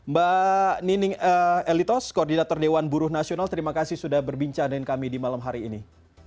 mbak nining elitos koordinator dewan buruh nasional terima kasih sudah berbincang dengan kami di malam hari ini